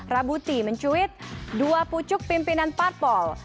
rabuti mencuit dua pucuk pimpinan parpol